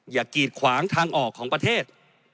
กีดขวางทางออกของประเทศ